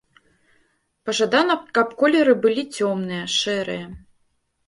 Пажадана, каб колеры былі цёмныя, шэрыя.